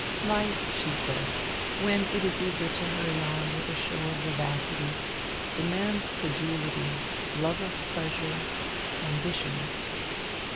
"Life," she said, "when it is eager to hurry on with a show of vivacity, demands credulity, love of pleasure, ambition.